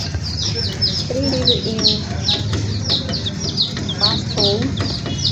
They live in Birstall.